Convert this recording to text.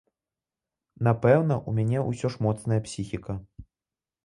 Напэўна, у мяне ўсё ж моцная псіхіка.